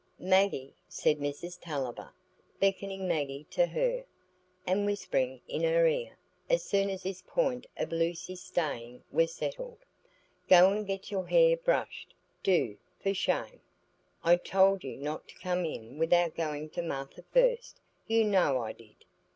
"Maggie," said Mrs Tulliver, beckoning Maggie to her, and whispering in her ear, as soon as this point of Lucy's staying was settled, "go and get your hair brushed, do, for shame. I told you not to come in without going to Martha first, you know I did."